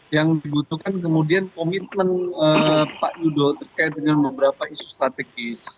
yang dibutuhkan kemudian komitmen pak yudo terkait dengan beberapa isu strategis